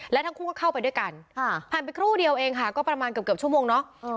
และทั้งคู่ก็เข้าไปด้วยกันผ่านไปครู่เดียวเองค่ะก็ประมาณเกือบชั่วโมงเนาะ